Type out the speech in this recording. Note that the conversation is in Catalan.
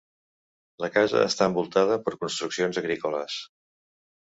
La casa està envoltada per construccions agrícoles.